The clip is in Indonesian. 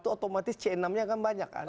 itu otomatis c enam nya akan banyak kan